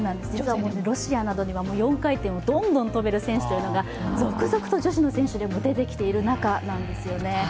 ロシアなどには４回転をどんどん跳べる選手が続々と女子の選手でも出てきているんですよね。